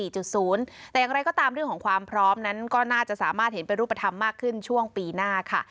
แต่อย่างไรก็ตามเรื่องของความพร้อมนั้นก็น่าจะสามารถเห็นเป็นรูปธรรมมากขึ้นช่วงปีหน้าค่ะ